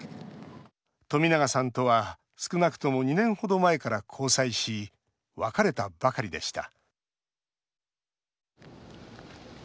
冨永さんとは少なくとも２年程前から交際し別れたばかりでした。